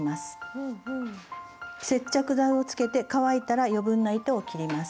接着剤をつけて乾いたら余分な糸を切ります。